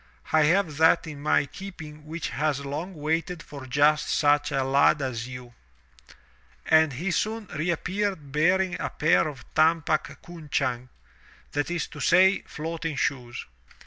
"I have that in my keeping which has long waited for just such a lad as you." And he soon reappeared bearing a pair of tumpak cunchang — that is to say, floating shoes.